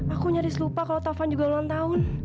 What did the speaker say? aku nyaris lupa kalau taufan juga ulang tahun